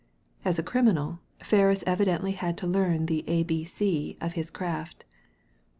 As a criminal^ Ferris evidently had to learn the A.B.C. of his craft.